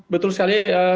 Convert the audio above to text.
betul sekali mbak sasa